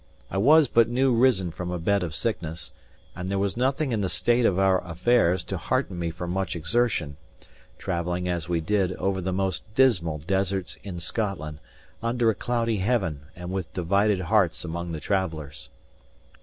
I was but new risen from a bed of sickness; and there was nothing in the state of our affairs to hearten me for much exertion; travelling, as we did, over the most dismal deserts in Scotland, under a cloudy heaven, and with divided hearts among the travellers.